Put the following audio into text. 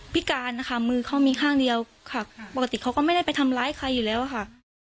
พิการนะคะมือเขามีข้างเดียวค่ะปกติเขาก็ไม่ได้ไปทำร้ายใครอยู่แล้วค่ะ